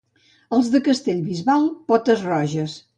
Els de Castellbisbal, potes roges.